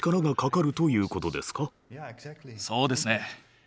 そうですね。